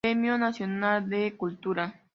Premio Nacional de Cultura.